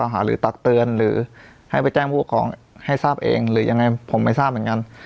หรือยังไงผมไม่ทราบเหมือนกัน